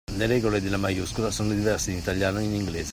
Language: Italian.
Le regole della maiuscola sono diverse in italiano e in inglese.